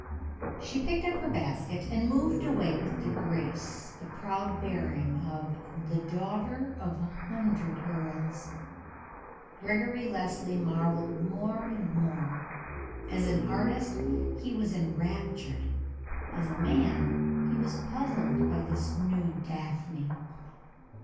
She picked up her basket, and moved away with the grace, the proud bearing of "the daughter of a hundred earls." Gregory Leslie marveled more and more. As an artist, he was enraptured; as a man, he was puzzled by this new Daphne.